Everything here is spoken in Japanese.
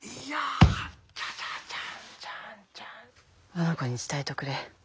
あの子に伝えておくれ。